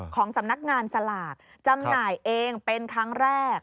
ของสำนักงานสลากจำหน่ายเองเป็นครั้งแรก